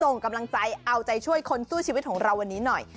ส่งกำลังใจเอาใจช่วยคนสู้ชีวิตของเราวันนี้หน่อย